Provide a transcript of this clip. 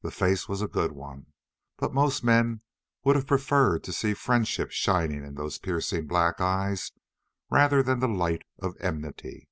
The face was a good one, but most men would have preferred to see friendship shining in those piercing black eyes rather than the light of enmity.